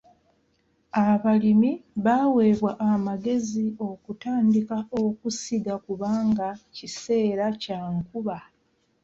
Abalimi baaweebwa amagezi okutandika okusiga kubanga kiseera kya nkuba.